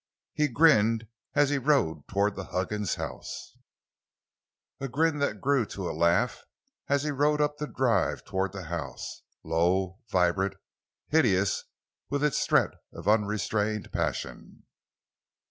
He grinned as he rode toward the Huggins house—a grin that grew to a laugh as he rode up the drive toward the house; low, vibrant, hideous with its threat of unrestrained passion.